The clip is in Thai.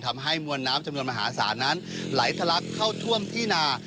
ทำให้มวลน้ำจำนวนมหาศาลนั้นไหลทะลักเข้าท่วมที่นา